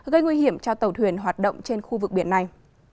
gây nguy hiểm cho tàu thuyền hoạt động trên khu vực biển này